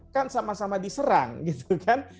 kan sama sama diserang gitu kan